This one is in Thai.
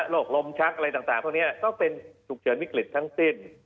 โรคลมชักอะไรต่างพวกนี้ก็เป็นฉุกเฉินวิกฤตทั้งสิ้น